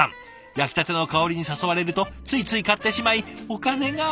焼きたての香りに誘われるとついつい買ってしまいお金が。